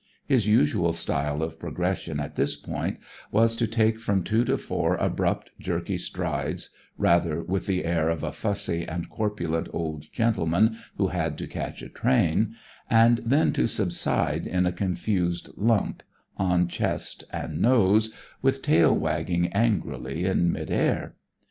His usual style of progression at this period was to take from two to four abrupt, jerky strides, rather with the air of a fussy and corpulent old gentleman who had to catch a train, and then to subside in a confused lump, on chest and nose, with tail waggling angrily in mid air.